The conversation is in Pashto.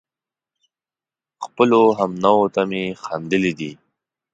خپلو همنوعو ته مې خندلي دي